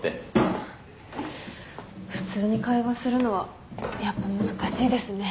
普通に会話するのはやっぱ難しいですね。